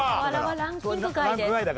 ランキング外です。